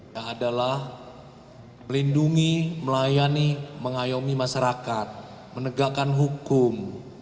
yang adalah melindungi melayani mengayomi masyarakat menegakkan hukum